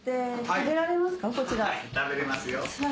食べれますよ。